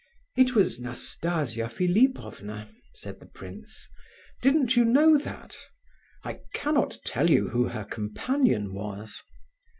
"It was Nastasia Philipovna," said the prince; "didn't you know that? I cannot tell you who her companion was."